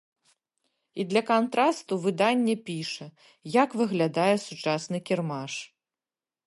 І для кантрасту выданне піша, як выглядае сучасны кірмаш.